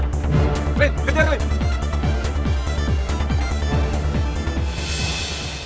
lin kejar lin